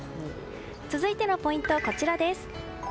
続いてのポイントはこちらです。